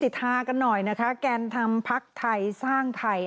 ทากันหน่อยนะคะแกนนำพักไทยสร้างไทย